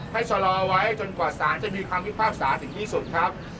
ชะลอไว้จนกว่าสารจะมีคำพิพากษาถึงที่สุดครับ